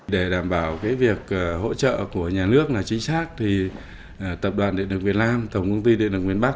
để đảm bảo việc hỗ trợ của nhà nước chính xác tập đoàn điện lực việt nam tổng công ty điện lực việt bắc